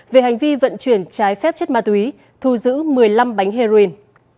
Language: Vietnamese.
về hành vi vận chuyển trái phép chất ma túy thu giữ một mươi năm bánh heroin